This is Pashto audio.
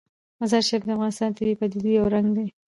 مزارشریف د افغانستان د طبیعي پدیدو یو رنګ دی.